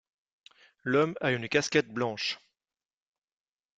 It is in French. L’homme a une casquette blanche.